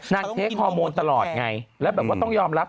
เทคฮอร์โมนตลอดไงแล้วแบบว่าต้องยอมรับ